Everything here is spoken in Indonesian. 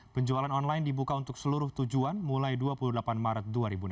penjualan online dibuka untuk seluruh tujuan mulai dua puluh delapan maret dua ribu delapan belas